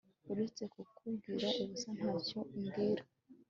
uretse kukubwira ubusa ntacyo umbwira